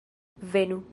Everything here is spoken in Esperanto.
Venu!